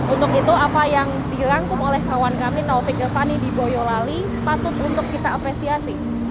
untuk itu apa yang dirangkum oleh kawan kami naufik yovani di boyolali patut untuk kita apresiasi